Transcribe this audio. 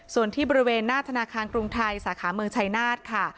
ส่วนที่บริเวณหน้าธนาคารกรุงไทยสาขาเมืองชัยนาธค่ะ